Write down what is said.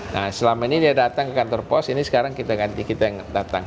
nah selama ini dia datang ke kantor pos ini sekarang kita ganti kita yang datang